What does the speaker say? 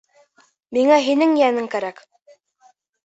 — Миңә һинең йәнең кәрәк.